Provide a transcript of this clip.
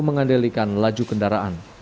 mengandalkan laju kendaraan